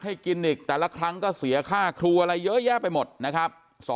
ให้กินอีกแต่ละครั้งก็เสียค่าครูอะไรเยอะแยะไปหมดนะครับ